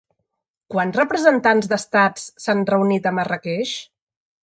Quants representants d'estats s'han reunit a Marràqueix?